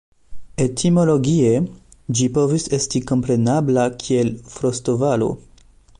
Etimologie ĝi povus estis komprenebla kiel Frostovalo.